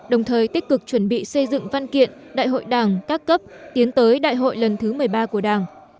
đồng thời tích cực chuẩn bị xây dựng văn kiện đại hội đảng các cấp tiến tới đại hội lần thứ một mươi ba của đảng